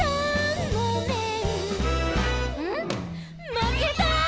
まけた」